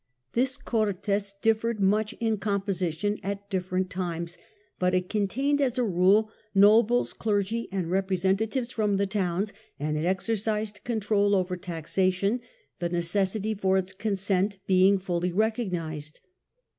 This Cortes differed much in composition at different times, but it contained, as a rule, nobles, clergy and representatives from the towns, and it exercised control over taxation, the necessity for its consent being fully recognised.